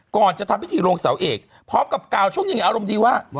ก่อนจะทำพิธีลงเสาเอกพร้อมกับกล่าวช่วงหนึ่งอารมณ์ดีว่า